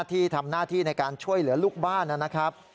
ที่ทำหน้าที่ในการช่วยเหลือลูกบ้านนะครับ